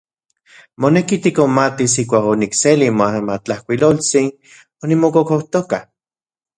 Moneki tikonmatis ijkuak onikseli moamatlajkuiloltsin onimokokojtoka.